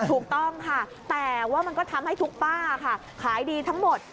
ถูกต้องค่ะแต่ว่ามันก็ทำให้ทุกป้าค่ะขายดีทั้งหมด